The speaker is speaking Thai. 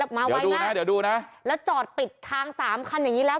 มาไวดูนะเดี๋ยวดูนะแล้วจอดปิดทางสามคันอย่างงี้แล้ว